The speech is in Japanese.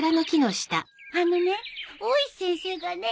あのね大石先生がね